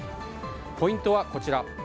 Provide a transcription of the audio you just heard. ポイントはこちら。